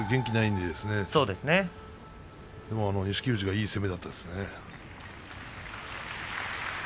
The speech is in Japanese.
でも錦富士がいい攻めでしたね。